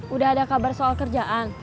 udah ada kabar soal kerjaan